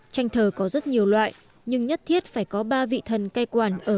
tranh thờ có rất nhiều loại nhưng nhất thiết phải có ba vị thần cây quản